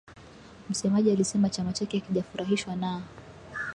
msemaji alisema chama chake hakijafurahishwa na